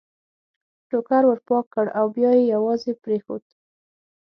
ټوکر ور پاک کړ او بیا یې یوازې پرېښود.